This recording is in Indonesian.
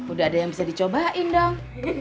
udah ada yang bisa dicobain dong